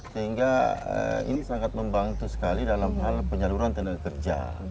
sehingga ini sangat membantu sekali dalam hal penyaluran tenaga kerja